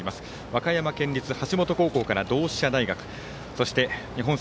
和歌山県立橋本高校から同志社大学。